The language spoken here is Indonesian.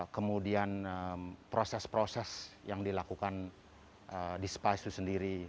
kemudian proses proses yang dilakukan di spa itu sendiri